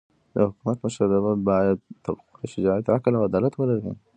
د حکومت مشرتابه باید تقوا، شجاعت، عقل او عدالت ولري.